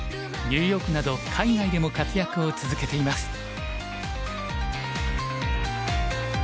ニューヨークなど海外でも活躍を続けています。